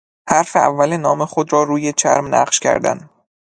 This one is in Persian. حروف اول نام خود را روی چرم نقش کردن